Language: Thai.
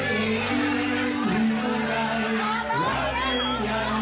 อาเทศกันพลออกกาศจะแยกขาด